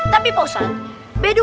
tapi pak ustadz